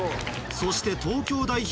そして東京代表